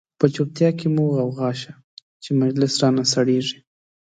په چوپتیا کی مو غوغا شه، چه مجلس را نه سړیږی